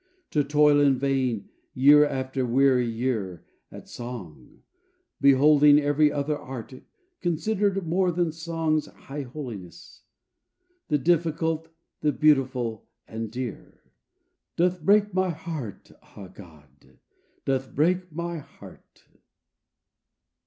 To toil in vain year after weary year At Song! beholding every other Art Considered more than Song's high holiness, The difficult, the beautiful and dear! Doth break my heart, ah God! doth break my heart!